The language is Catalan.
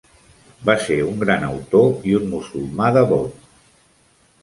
Va ser un gran autor i un musulmà devot.